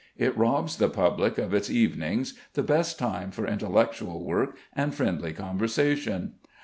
It robs the public of its evenings, the best time for intellectual work and friendly conversation.